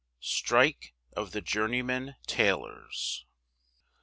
STRIKE OF THE JOURNEYMEN TAILORS.